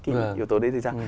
cái yếu tố đấy thì sao